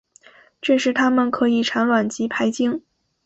这时它们可以产卵及排精。